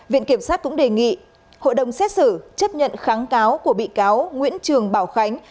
viện kiểm sát cũng đề nghị hội đồng xét xử chấp nhận kháng cáo của bị cáo nguyễn trường bảo khánh